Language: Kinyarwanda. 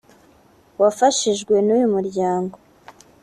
wafashijwe n’uyu muryango